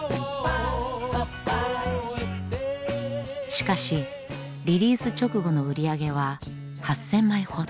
しかしリリース直後の売り上げは８，０００枚ほど。